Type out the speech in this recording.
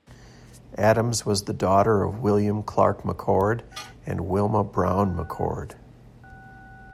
Adams was the daughter of William Clark McCord and Wilmah Brown McCord.